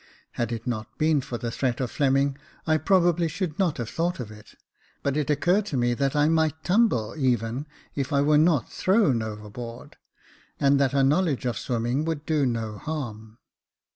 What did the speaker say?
Had it not been for the threat of Fleming, I probably should not have thought of it ; but it occurred to me that I might tumble, even if I were not thrown overboard, and that a knowledge of swimming would do no harm.